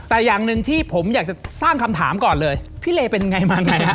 แต่อย่างหนึ่งที่ผมอยากจะสร้างคำถามก่อนเลยพี่เลเป็นไงมาไงฮะ